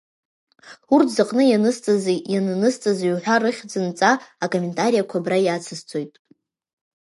Урҭ зыҟны ианысҵази иананысҵази уҳәа рыхьӡынҵа, акомментариқәа абра иацсҵоит.